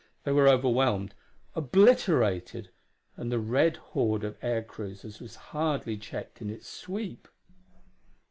They were overwhelmed obliterated! and the red horde of air cruisers was hardly checked in its sweep.